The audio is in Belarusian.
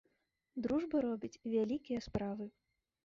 Дружба робіць вялікія справы.